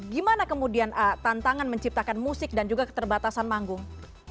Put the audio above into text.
gimana kemudian tantangan menciptakan musik dan juga keterbatasan manggung